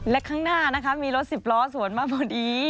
และข้างหน้ามีรถสิบล้อสวนมาหมดอีก